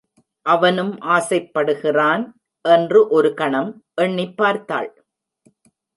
அவனும் ஆசைப்படுகிறான் என்று ஒரு கணம் எண்ணிப் பார்த்தாள்.